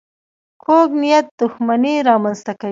کوږ نیت دښمني رامنځته کوي